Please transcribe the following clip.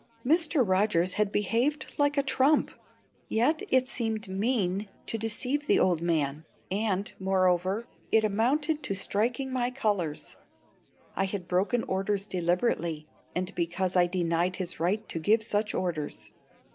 Mr. Rogers had behaved like a trump; yet it seemed mean to deceive the old man; and, moreover, it amounted to striking my colours. I had broken orders deliberately and because I denied his right to give such orders.